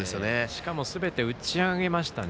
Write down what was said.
しかも、すべて打ち上げましたね。